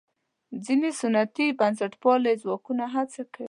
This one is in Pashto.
ځینې سنتي بنسټپال ځواکونه هڅه کوي.